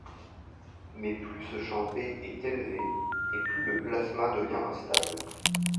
Mais plus ce champ B est élevé et plus le plasma devient instable.